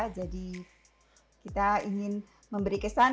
jadi kita ingin memberi kesan